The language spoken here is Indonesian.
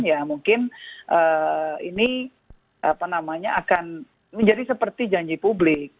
ya mungkin ini apa namanya akan menjadi seperti janji publik